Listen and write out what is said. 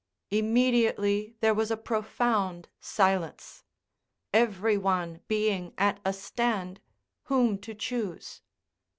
Immediately there was a profound silence, every one being at a stand whom to choose.